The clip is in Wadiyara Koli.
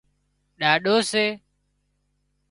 ڏاڏو سي